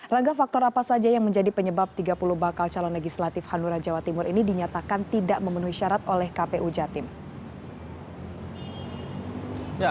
rangga faktor apa saja yang menjadi penyebab tiga puluh bakal calon legislatif hanura jawa timur ini dinyatakan tidak memenuhi syarat oleh kpu jawa timur